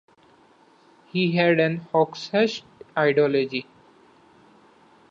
It had an Hoxhaist ideology.